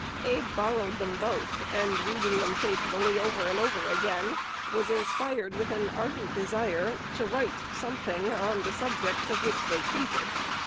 Abe borrowed them both, and, reading them faithfully over and over again, was inspired with an ardent desire to write something on the subjects of which they treated.